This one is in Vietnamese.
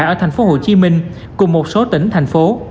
ở tp hcm cùng một số tỉnh thành phố